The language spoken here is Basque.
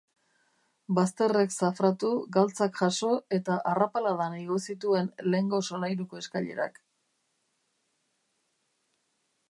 Bazterrek zafratu, galtzak jaso eta arrapaladan igo zituen lehengo solairuko eskailerak.